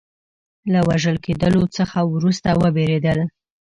له وژل کېدلو څخه وروسته وبېرېدل.